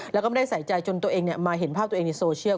แล้วก็ไม่ได้ใส่ใจจนตัวเองมาเห็นภาพตัวเองในโซเชียล